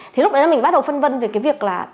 thì lúc đó mình bắt đầu phân vân về cái việc là